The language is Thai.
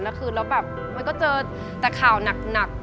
แล้วคุณจะเจอแต่ข่าวหนัก